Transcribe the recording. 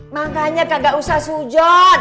makanya kak gak usah sujot